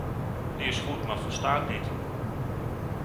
Die is goed, maar volstaat niet.